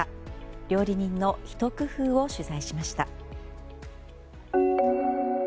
料理人のひと工夫を取材しました。